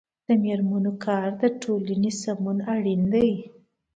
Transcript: د میرمنو کار د ټولنې سمون اړین دی.